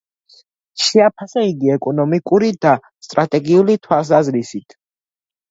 შეაფასა იგი ეკონომიკური და სტრატეგიული თვალსაზრისით.